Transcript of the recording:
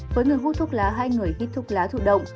với người hút thuốc lá hay người hít thuốc lá thụ động